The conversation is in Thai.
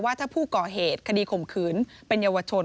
ว่าถ้าผู้ก่อเหตุคดีข่มขืนเป็นเยาวชน